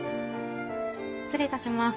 失礼いたします。